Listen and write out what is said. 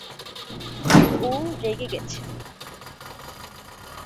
ও রেগে গেছে?